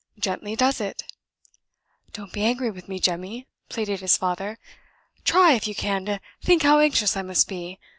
"Gently does it!" "Don't be angry with me, Jemmy," pleaded his father. "Try, if you can, to think how anxious I must be.